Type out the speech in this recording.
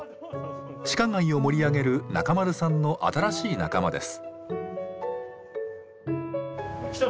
地下街を盛り上げる中丸さんの新しい仲間です。